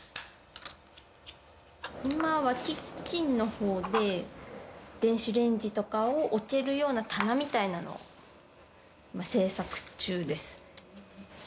今はキッチンのほうで、電子レンジとかを置けるような棚みたいなのを制作中です。